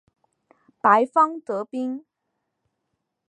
白方得兵。